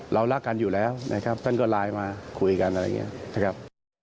รักกันอยู่แล้วนะครับท่านก็ไลน์มาคุยกันอะไรอย่างนี้นะครับ